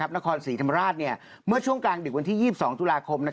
นครศรีธรรมราชเมื่อช่วงกลางดึกวันที่๒๒ตุลาคม